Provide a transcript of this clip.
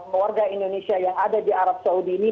warga indonesia yang ada di arab saudi ini